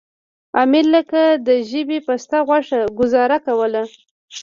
امیر لکه د ژبې پسته غوښه ګوزاره کوله.